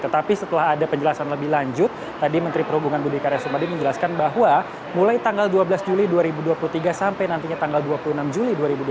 tetapi setelah ada penjelasan lebih lanjut tadi menteri perhubungan budi karya sumadi menjelaskan bahwa mulai tanggal dua belas juli dua ribu dua puluh tiga sampai nantinya tanggal dua puluh enam juli dua ribu dua puluh